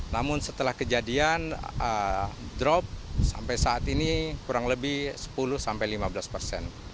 namun setelah kejadian drop sampai saat ini kurang lebih sepuluh sampai lima belas persen